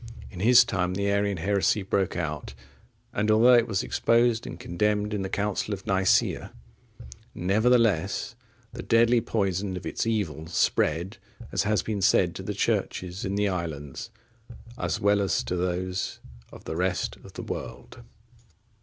In his time the Arian heresy broke out, and although it was exposed and condemned in the Council of Nicaea,(60) nevertheless, the deadly poison of its evil spread, as has been said, to the Churches in the islands, as well as to those of the rest of the world.